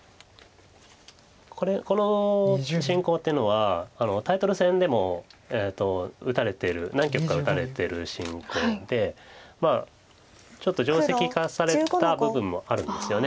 この進行っていうのはタイトル戦でも打たれてる何局か打たれてる進行でちょっと定石化された部分もあるんですよね。